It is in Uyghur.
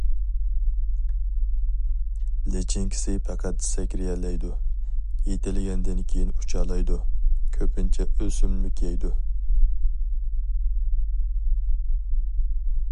لىچىنكىسى پەقەت سەكرىيەلەيدۇ، يېتىلگەندىن كىيىن ئۇچالايدۇ، كۆپىنچە ئۆسۈملۈك يەيدۇ.